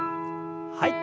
はい。